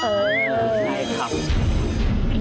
เออใช่ครับ